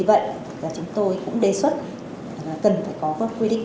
vì vậy chúng tôi cũng đề xuất là cần phải có các quy định